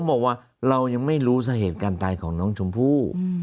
บอกว่าเรายังไม่รู้สาเหตุการตายของน้องชมพู่